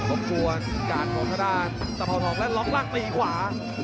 อุปกรณ์กาลของทะดารสะพาวนทองและรองรั่งไปขวา